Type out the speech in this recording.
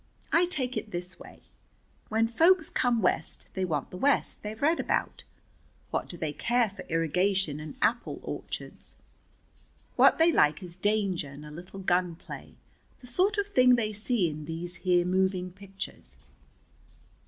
I take it this way: When folks come West they want the West they've read about. What do they care for irrigation and apple orchards? What they like is danger and a little gunplay, the sort of thing they see in these here moving pictures."